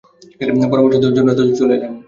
পরামর্শ দেয়ার জন্য এত দূর চলে এলেন?